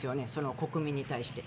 国民に対して。